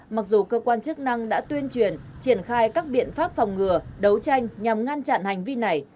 mặc dù cơ quan chức năng đã tuyên truyền triển khai các biện pháp phòng ngừa đấu tranh nhằm ngăn chặn hành vi này